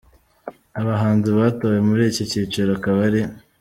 Abahanzi batowe muri iki cyiciro akaba ari:.